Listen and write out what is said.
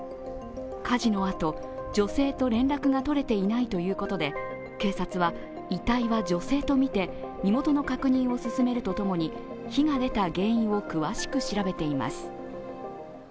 火事のあと、女性と連絡が取れていないということで警察は遺体は女性とみて身元の確認を進めるとともに火が出た原因を詳しく調べています。